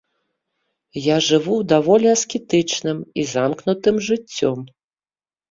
Я жыву даволі аскетычным і замкнутым жыццём.